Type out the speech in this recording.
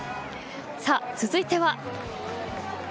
続いては。